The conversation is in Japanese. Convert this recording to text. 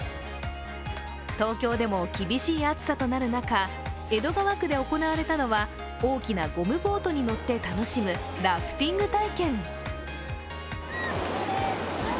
東京でも厳しい暑さとなる中、江戸川区で行われたのは大きなゴムボートに乗って楽しむラフティング体験。